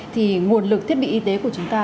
thì nguồn lực thiết bị y tế của chúng ta